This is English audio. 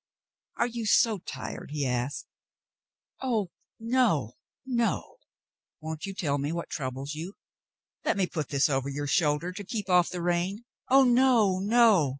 "Are you so tired ?" he asked. "Oh, no, no." Cassandra and David 101 "Won't you tell me what troubles you? Let me put this over your shoulders to keep off the rain." "Oh, no, no